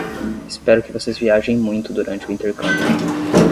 Espero que vocês viajem muito durante o intercâmbio!